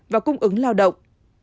và cung ứng lao động